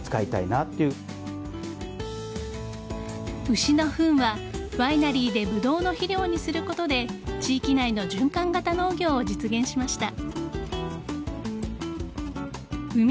牛の糞はワイナリーでブドウの肥料にすることで地域内の循環型農業を実現しました。